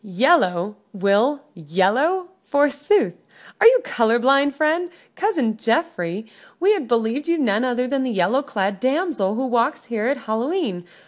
"Yellow, Will, yellow, forsooth? Are you color blind, friend? Cousin Geoffrey, we had believed you none other than the yellow clad damsel who walks here at Hallow e'en.